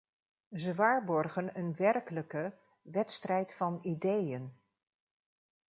Ze waarborgen een werkelijke 'wedstrijd van ideeën'.